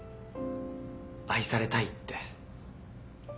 愛されたいって。